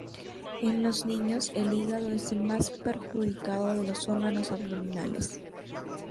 En los niños, el hígado es el más perjudicado de los órganos abdominales.